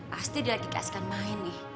pasti dia lagi keaskan main nih